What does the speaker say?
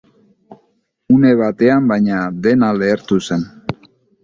Une batean, baina, dena lehertu zen.